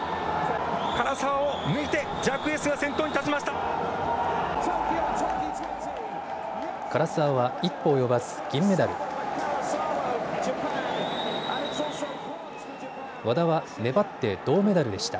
唐澤を抜いてジャクエスが先頭に立ちました。